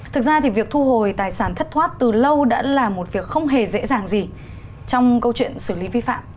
thực ra thì việc thu hồi tài sản thất thoát từ lâu đã là một việc không hề dễ dàng gì trong câu chuyện xử lý vi phạm